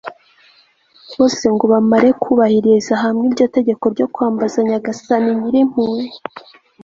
bose ngo bamare kubahiriza hamwe iryo tegeko ryo kwambaza nyagasani nyir'impuhwe